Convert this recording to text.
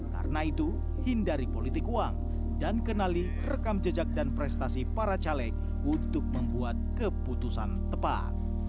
karena itu hindari politik uang dan kenali rekam jejak dan prestasi para caleg untuk membuat keputusan tepat